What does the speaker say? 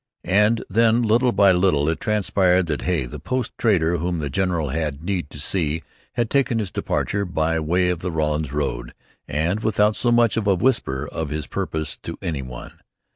And then, little by little, it transpired that Hay, the post trader whom the general had need to see, had taken his departure by way of the Rawlins road, and without so much as a whisper of his purpose to any one.